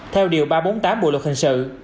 theo điều ba trăm bốn mươi tám bộ luật hình sự